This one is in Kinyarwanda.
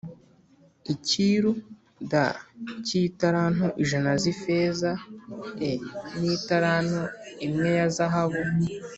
icyiru d cy italanto ijana z ifeza e n italanto imwe ya zahabu